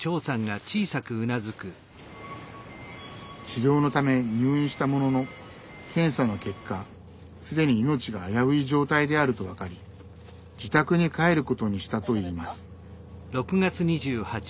治療のため入院したものの検査の結果既に命が危うい状態であると分かり自宅に帰ることにしたといいます。